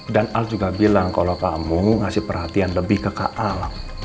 dan al juga bilang kalo kamu ngasih perhatian lebih ke kak al